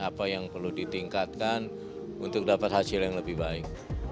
apa yang perlu ditingkatkan untuk dapat hasil yang lebih baik